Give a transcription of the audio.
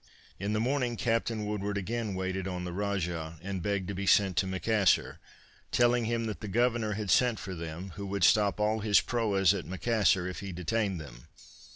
In the morning Captain Woodward again waited on the Rajah, and begged to be sent to Macassar; telling him that the Governor had sent for them, who would stop all his proas at Macassar if he detained them.